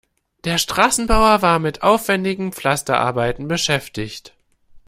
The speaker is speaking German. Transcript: Der Straßenbauer war mit aufwendigen Pflasterarbeiten beschäftigt.